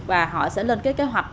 và họ sẽ lên kế hoạch